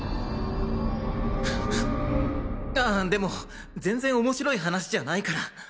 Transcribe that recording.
ああでも全然面白い話じゃないから。